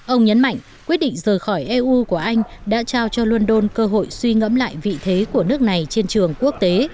ông nhấn mạnh quyết định rời khỏi eu của anh đã trao cho london cơ hội suy ngẫm lại vị thế của nước này trên trường quốc tế